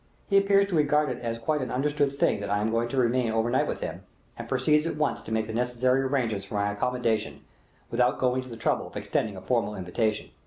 He appears to regard it as quite an understood thing that I am going to remain over night with him, and proceeds at once to make the necessary arrangements for my accommodation, without going to the trouble of extending a formal invitation.